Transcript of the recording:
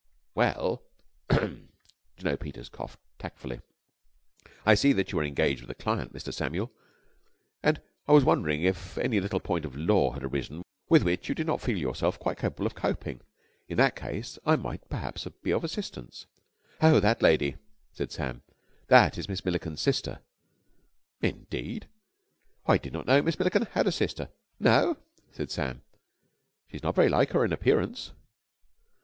"Well " Jno. Peters coughed tactfully "I see that you are engaged with a client, Mr. Samuel, and was wondering if any little point of law had arisen with which you did not feel yourself quite capable of coping, in which case I might perhaps be of assistance." "Oh, that lady," said Sam. "That was Miss Milliken's sister." "Indeed? I didn't know Miss Milliken had a sister." "No?" said Sam. "She is not very like her in appearance."